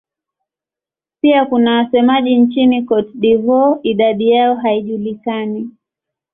Pia kuna wasemaji nchini Cote d'Ivoire; idadi yao haijulikani.